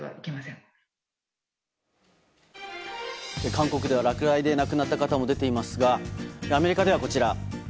韓国では、落雷で亡くなった方も出ていますがアメリカでは、こちら。